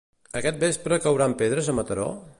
Aquest vespre cauran pedres a Mataró?